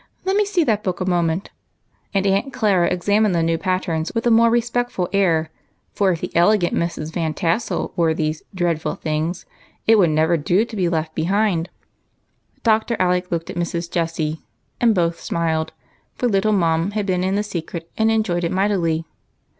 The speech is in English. Let me see that book a mo ment," and Aunt Clara examined the new patterns Avith a more respectful air, for if the elegant Mrs. Van Tassel wore these " dreadful things " it would never do to be left behind, in sj^ite of her prejudices. Dr. Alec looked at Mrs. Jessie, and both smiled, for " little Mum " had been in the secret, and enjoyed it mightily.